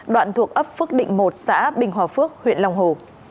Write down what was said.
đoạn thuộc ấp phước định một xã bình hòa phước huyện long hồ